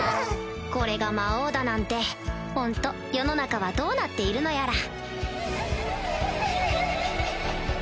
これが魔王だなんてホント世の中はどうなっているのやら